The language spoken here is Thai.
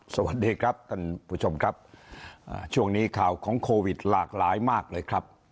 สวัสดีครับท่านผู้ชมครับช่วงนี้ข่าวของโควิดหลากหลายมากเลยครับ